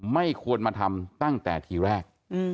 ไม่ควรมาทำตั้งแต่ทีแรก